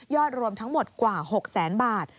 ยอดรวมทั้งหมดกว่า๖๐๐๐๐๐บาท